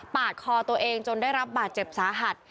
คอตัวเองจนได้รับบาดเจ็บสาหัส